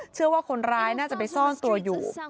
เชื่อว่าคนร้ายน่าจะไปซ่อนตัวอยู่